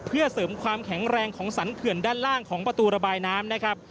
เพื่อเสริมความแข็งแรงของสรรเขื่อนด้านล่างของประตูระบายน้ำนะครับ